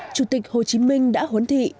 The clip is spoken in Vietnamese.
chủ tịch hồ chí minh đã huấn thị